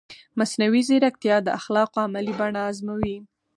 مصنوعي ځیرکتیا د اخلاقو عملي بڼه ازموي.